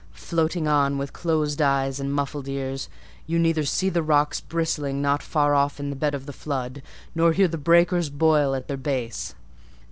Floating on with closed eyes and muffled ears, you neither see the rocks bristling not far off in the bed of the flood, nor hear the breakers boil at their base.